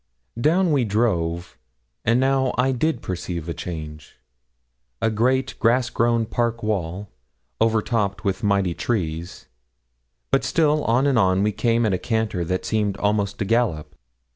Down we drove, and now I did perceive a change. A great grass grown park wall, overtopped with mighty trees; but still on and on we came at a canter that seemed almost a gallop.